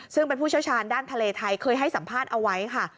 ซึ่งเป็นผู้เชี่ยวชาญด้านทะเลไทยเคยให้สัมภาษณ์เอาไว้ค่ะ